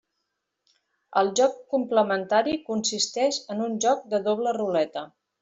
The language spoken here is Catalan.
El joc complementari consisteix en un joc de doble ruleta.